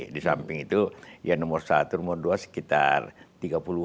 di samping itu yang nomor satu nomor dua sekitar tiga puluh an